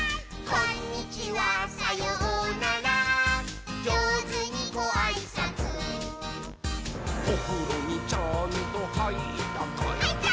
「こんにちはさようならじょうずにごあいさつ」「おふろにちゃんとはいったかい？」はいったー！